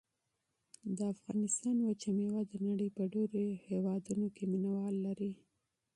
د افغانستان وچه مېوه د نړۍ په ډېرو هېوادونو کې مینه وال لري.